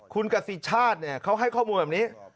คุณกฤษิชาติเนี่ยเขาให้ข้อมูลแบบนี้